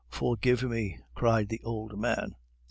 forgive me!" cried the old man.